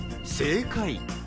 正解。